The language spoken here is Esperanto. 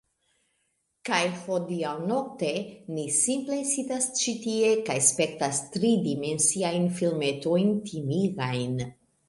Kaj hodiaŭnokte ni simple sidas ĉi tie kaj spektas tridimensiajn filmetojn timigajn